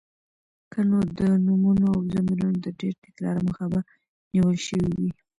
که نو د نومونو او ضميرونو د ډېر تکرار مخه به نيول شوې وې.